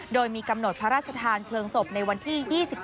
โดยมีกำหนดพระราชทานเคลิร์งศพในวันที่๒๓ธันวาคมนี้ค่ะ